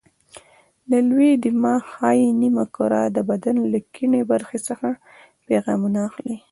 د لوی دماغ ښي نیمه کره د بدن له کیڼې برخې څخه پیغامونه اخلي.